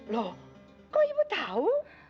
loh kok ibu tahu